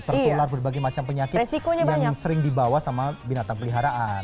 tertular berbagai macam penyakit yang sering dibawa sama binatang peliharaan